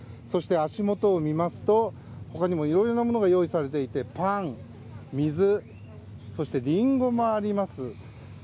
そして、足元を見ますと他にも、いろいろなものが用意されていてパン、水、リンゴもあります。